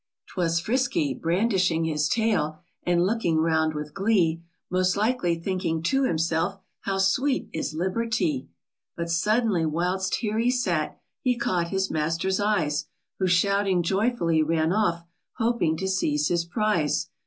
'Twas Frisky, brandishing his tail And looking round with glee : Most likely thinking to himself, " How sweet is liberty !" But suddenly whilst here he sat, He caught his master's eyes; Who, shouting joyfully, ran off. Hoping to seize his prize.